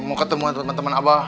mau ketemu temen temen abah